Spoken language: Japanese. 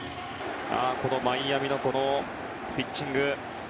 このマイアミのピッチング。